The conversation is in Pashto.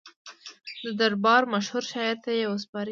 د دربار مشهور شاعر ته یې وسپاري.